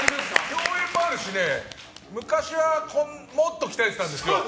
共演もあるし昔はもっと鍛えてたんですよ。